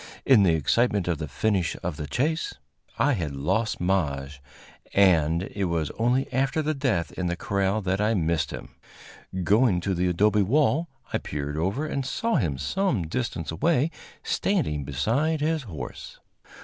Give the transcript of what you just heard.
In the excitement of the finish of the chase I had lost Maje, and it was only after the death in the corral that I missed him. Going to the adobe wall, I peered over and saw him some distance away standing beside his horse.